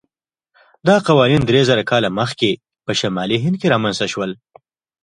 دا قوانین درېزره کاله مخکې په شمالي هند کې رامنځته شول.